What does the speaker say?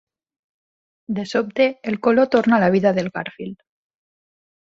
De sobte, el color torna a la vida del Garfield.